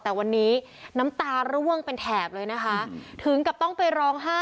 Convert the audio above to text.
แต่วันนี้น้ำตาร่วงเป็นแถบเลยนะคะถึงกับต้องไปร้องไห้